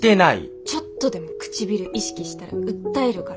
ちょっとでも唇意識したら訴えるから。